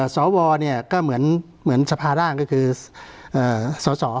สวก็เหมือนสภาร่างก็คือสส